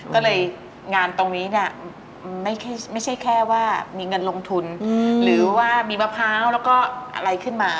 ก็เลยงานตรงนี้เนี่ยไม่ใช่แค่ว่ามีเงินลงทุนหรือว่ามีมะพร้าวแล้วก็อะไรขึ้นมา